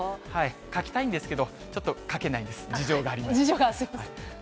書きたいんですけど、ちょっと書けないんです、事情がありまして。